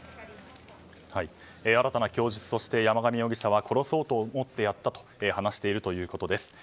新たな供述として山上容疑者は殺そうと思ってやったと話しているということです。